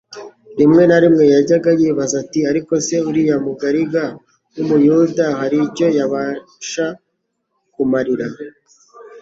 rimwe na rimwe yajyaga yibaza ati: Ariko se uriya Mugariga w'umuyuda hari icyo yabasha kumarira?